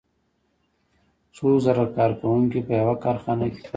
څو زره کارکوونکي په یوه کارخانه کې کار کوي